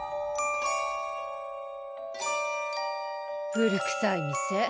古くさい店。